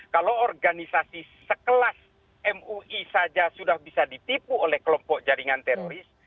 kalau organisasi sekelas mui saja sudah bisa ditipu oleh kelompok jaringan teroris